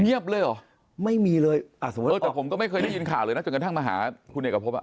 เงียบเลยหรอไม่มีเลยแต่ผมก็ไม่เคยได้ยินข่าวเลยนะจนกำลังมาหาคุณเอกพบอ่ะ